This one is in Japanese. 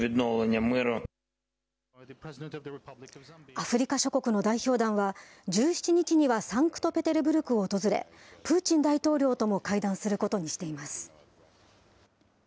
アフリカ諸国の代表団は、１７日にはサンクトペテルブルクを訪れ、プーチン大統領とも会談することにしています。